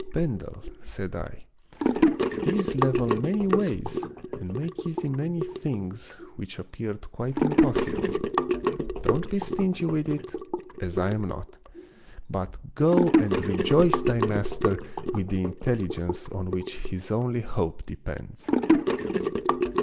" Bendel," said I, " these level many ways and make easy many things which appeared quite impossible ; don't be stingy with it, as I am not, but go and rejoice thy master with the intelligence on which his only hope depends."